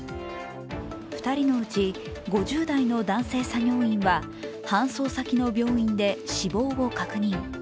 ２人のうち５０代の男性作業員は搬送先の病院で死亡を確認。